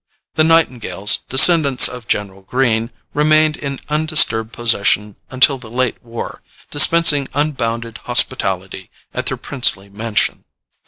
The Nightingales, descendants of General Greene, remained in undisturbed possession until the late war, dispensing unbounded hospitality at their princely mansion.